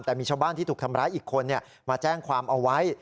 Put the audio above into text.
แต่มีชาวบ้านที่ถูกทำร้ายอีกคนมาแจ้งความเอาไว้